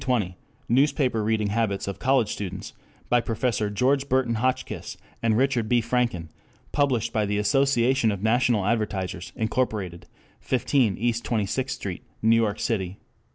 1920 Newspaper Reading Habits of College Students, by Prof. George Burton Hotchkiss and Richard B. Franken, published by the Association of National Advertisers, Inc., 15 East 26th Street, New York City.